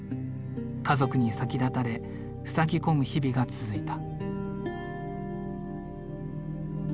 家族に先立たれふさぎ込む日々が続いた。